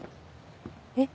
えっ。